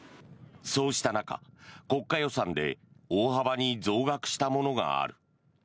そうした中、国家予算で大幅に増額したものがある。